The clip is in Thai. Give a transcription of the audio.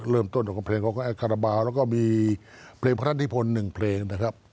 เริ่มต้นกับเพลงของคาราบาลแล้วก็มีเพลงพระราชนิพล๑เพลงนะครับ